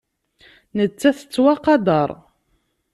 Nettat tettwaqadar.